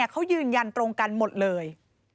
เขายืนยันตรงกันหมดเลย